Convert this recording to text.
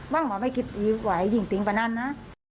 บ้างหรือไม่คิดดีกว่ายิ่งติงกว่านั้นนะ